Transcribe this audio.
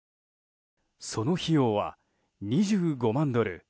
その費用は２５万ドル